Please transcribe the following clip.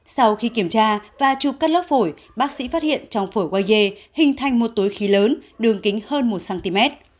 sau khi kiểm tra và chụp các lớp phổi bác sĩ phát hiện trong phổi wang ye hình thành một túi khí lớn đường kính hơn một cm